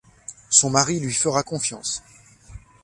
Son mari lui fera confiance...